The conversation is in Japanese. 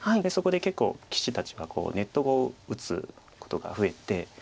そこで結構棋士たちはネット碁を打つことが増えて。